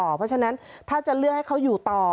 เพราะฉะนั้นถ้าจะเลือกให้เขาอยู่ต่อ